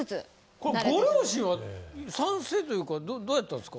これご両親は賛成というかどうやったんですか？